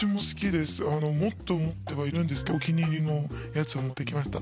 もっと持ってはいるんですけどお気に入りのやつを持ってきました。